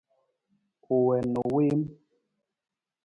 U wii na u wiim.